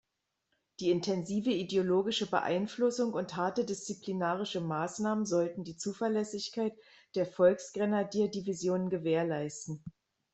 Die intensive ideologische Beeinflussung und harte disziplinarische Maßnahmen sollten die Zuverlässigkeit der Volksgrenadier-Divisionen gewährleisten.